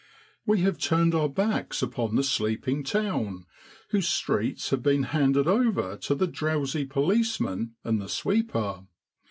We have turned our backs upon the sleeping town, whose streets have been handed over to the drowsy policeman and the sweeper.